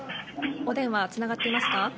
お電話つながっていますか。